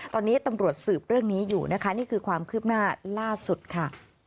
ตอนนี้ตำรวจสืบเรื่องนี้อยู่นะคะนี่คือความคืบหน้าล่าสุดค่ะ